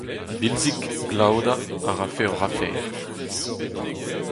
Bilzig, Glaoda, a rafe hoc’h afer.